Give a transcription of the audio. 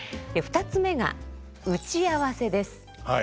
２つ目が「打ち合わせ」です。